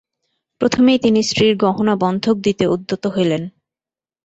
প্রথমেই তিনি স্ত্রীর গহনা বন্ধক দিতে উদ্যত হইলেন।